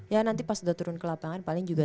ya nanti pas udah turun ke lapangan paling juga